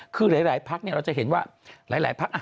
คือหลายพักเราจะเห็นว่าหลายพัก